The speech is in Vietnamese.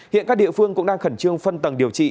hiện các địa phương cũng đang khẩn trương phân tầng điều trị